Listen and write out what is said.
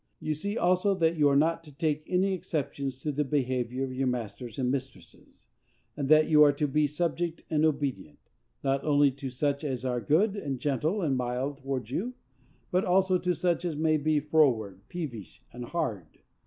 You see also that you are not to take any exceptions to the behavior of your masters and mistresses; and that you are to be subject and obedient, not only to such as are good, and gentle, and mild, towards you, but also to such as may be froward, peevish, and hard.